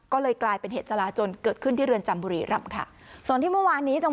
ก็เลยกลายเป็นเหตุจราจนเกิดขึ้นที่เรือนจำบุรีรำค่ะส่วนที่เมื่อวานนี้จัง